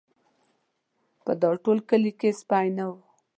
په دا ټول کلي کې سپی نه و.